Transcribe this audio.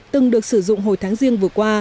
từng được sử dụng hồi tháng riêng vừa qua